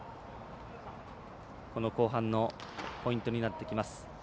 後半のポイントになってきます。